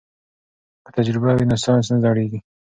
که تجربه وي نو ساینس نه زړیږي.